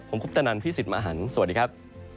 ผมคุปตะนันพี่สิทธิ์มหันฯสวัสดีครับ